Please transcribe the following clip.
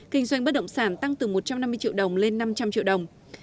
kinh doanh bất động sản tăng từ một trăm năm mươi triệu đồng lên năm trăm linh triệu đồng